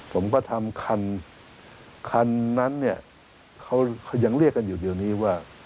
ผมก็ทำคันคันนั้นเนี่ยเขายังเรียกกันอยู่เดี๋ยวนี้ว่า